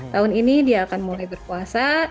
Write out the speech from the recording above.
tahun ini dia akan mulai berpuasa